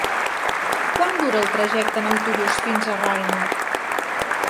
Quant dura el trajecte en autobús fins a Riner?